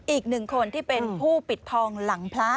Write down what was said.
อีกหนึ่งคนที่เป็นผู้ปิดทองหลังพระ